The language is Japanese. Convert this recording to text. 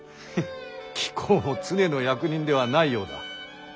貴公も常の役人ではないようだ。